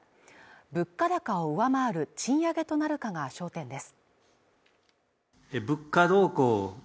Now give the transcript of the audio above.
物価高を上回る賃上げとなるかが焦点です